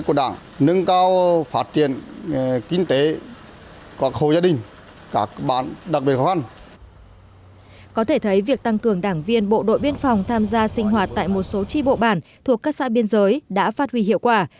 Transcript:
có thể thấy việc tăng cường đảng viên bộ đội biên phòng tham gia sinh hoạt tại một số tri bộ bản thuộc các xã biên giới đã phát huy hiệu quả